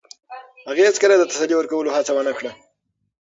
هغې هیڅکله د تسلي ورکولو هڅه ونه کړه.